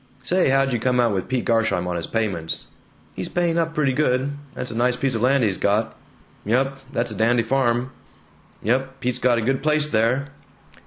"Say, how'd you come out with Pete Garsheim on his payments?" "He's paying up pretty good. That's a nice piece of land he's got." "Yump, that's a dandy farm." "Yump, Pete's got a good place there."